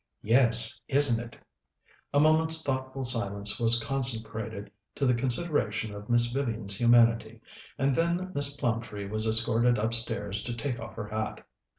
"Yes, isn't it?" A moment's thoughtful silence was consecrated to the consideration of Miss Vivian's humanity, and then Miss Plumtree was escorted upstairs to take off her hat.